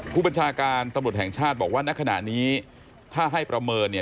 ผู้บัญชาการตำรวจแห่งชาติบอกว่าณขณะนี้ถ้าให้ประเมินเนี่ย